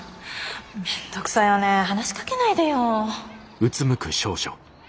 めんどくさいわね話しかけないでよ。